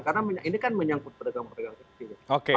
karena ini kan menyangkut pedagang pedagang kecil